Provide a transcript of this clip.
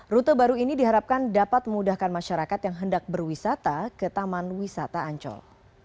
rute baru ini diharapkan dapat memudahkan masyarakat yang hendak berwisata ke taman wisata ancol